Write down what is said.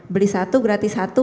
beli satu gratis satu